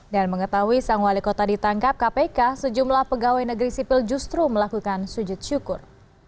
dan mengetahui sang wali kota ditangkap kpk sejumlah pegawai negeri sipil justru melakukan sujud syukur